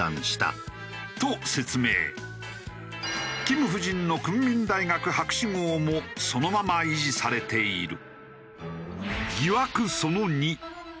金夫人の国民大学博士号もそのまま維持されている。